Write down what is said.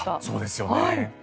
そうですよね。